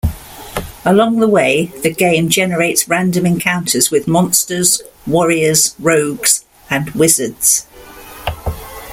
Along the way, the game generates random encounters with monsters, warriors, rogues, and wizards.